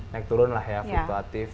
naik turun lah ya fluktuatif